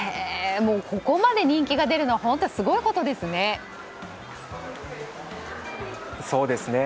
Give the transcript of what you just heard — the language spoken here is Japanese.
ここまで人気が出るのは本当すごいことですね。